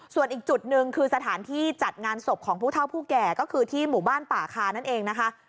ส่วนอีกจุดหนึ่งคือสถานที่จัดงานศพของผู้เท่าผู้แก่ก็คือที่หมู่บ้านป่าคานั่นเองนะคะ